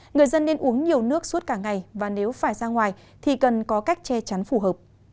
người dân nên uống nhiều nước suốt cả ngày và nếu phải ra ngoài thì cần có cách che chắn phù hợp